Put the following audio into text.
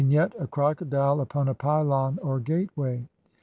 ] Vignette : A crocodile upon a pylon or gateway.